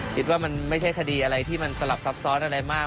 คิดว่ามันไม่ใช่คดีที่สลับซับซ้อนมาก